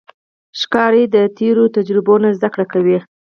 ښکاري د تیرو تجربو نه زده کړه کوي.